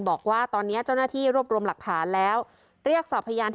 บอกว่าตอนนี้เจ้าหน้าที่รวบรวมหลักฐานแล้วเรียกสอบพยานที่